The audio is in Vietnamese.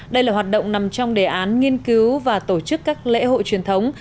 đây là hoạt động nằm trong đề án nghiên cứu và tổ chức các lễ hội truyền thống